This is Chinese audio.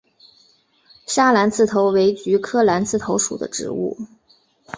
砂蓝刺头为菊科蓝刺头属的植物。